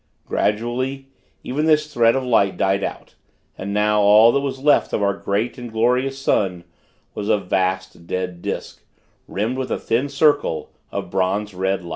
Gradually, even this thread of light died out; and now, all that was left of our great and glorious sun, was a vast dead disk, rimmed with a thin circle of bronze red light.